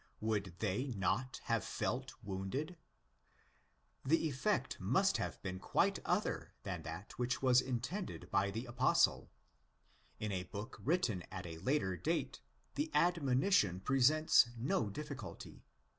Would they not have felt wounded? The effect must have been quite other than that which was intended by the Apostle. Ina book written at a later date, the admonition presents no difficulty.